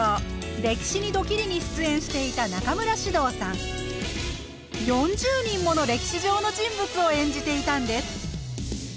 「歴史にドキリ」に出演していた４０人もの歴史上の人物を演じていたんです！